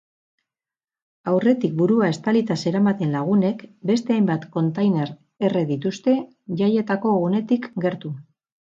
Aurretik burua estalita zeramaten lagunek beste hainbat kontainer erre dituzte jaietako gunetik gertu.